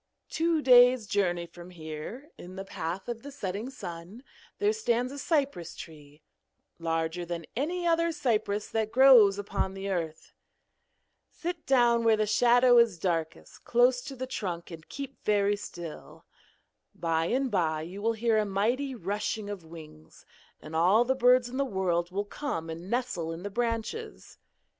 Two days' journey from here, in the path of the setting sun, there stands a cypress tree, larger than any other cypress that grows upon the earth. Sit down where the shadow is darkest, close to the trunk, and keep very still. By and by you will hear a mighty rushing of wings, and all the birds in the world will come and nestle in the branches.